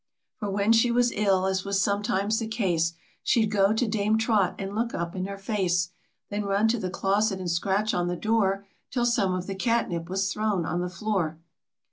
For when she was ill — as was sometimes the case— She'd go to Dame Trot, and look up in her face, Then run to the closet, and scratch on the door Till some of the catnip was thrown on the floor.